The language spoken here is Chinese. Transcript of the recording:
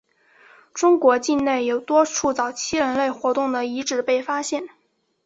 中国境内有多处早期人类活动的遗址被发现。